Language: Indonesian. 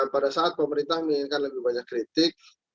pada saat pemerintah menginginkan lebih banyak kritik